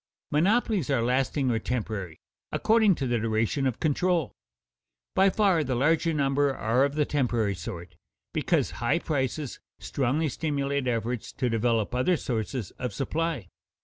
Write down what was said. Monopolies are lasting or temporary, according to the duration of control. By far the larger number are of the temporary sort, because high prices strongly stimulate efforts to develop other sources of supply.